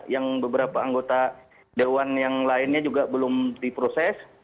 yang beberapa anggota dewan yang lainnya juga belum diproses